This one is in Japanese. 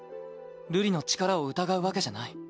瑠璃の力を疑うわけじゃない。